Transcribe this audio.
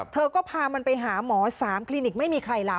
เธอก็พามันไปหาหมอ๓คลินิกไม่มีใครล่ะ